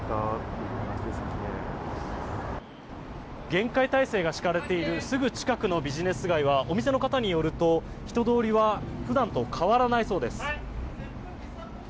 厳戒態勢が敷かれているすぐ近くのビジネス街はお店の方によると人通りは普段と変わらないそうです。